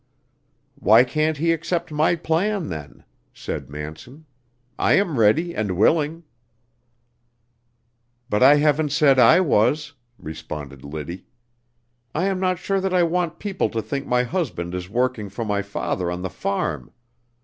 "Why can't he accept my plan, then?" said Manson. "I am ready and willing." "But I haven't said I was," responded Liddy. "I am not sure that I want people to think my husband is working for my father on the farm.